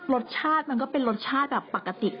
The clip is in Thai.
รสชาติมันก็เป็นรสชาติแบบปกติทั่วไปไหมค่ะ